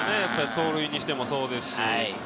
走塁にしても、そうですし。